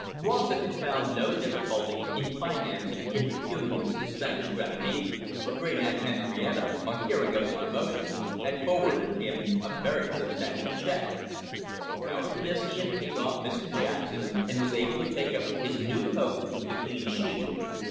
Rossett had found no difficulty in financing the impecunious Spanish grandee. For Great Aunt Henrietta, on hearing of his promotion, had forwarded him a very substantial cheque. Out of this, he had paid off Mr Jackson, and was able to take up his new post with a clean sheet.